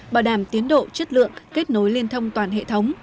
bảo đảm tiến độ chất lượng kết nối liên thông toàn hệ thống